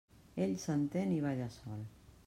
Ell s'entén i balla sol.